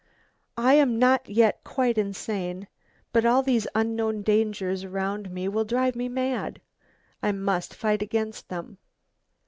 I am not yet quite insane, but all these unknown dangers around me will drive me mad. I must fight against them.